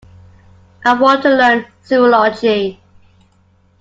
I want to learn Zoology.